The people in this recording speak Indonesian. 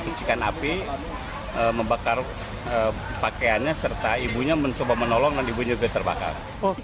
pencikan api membakar pakaiannya serta ibunya mencoba menolong dan ibunya juga terbakar